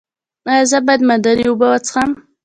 ایا زه باید معدني اوبه وڅښم؟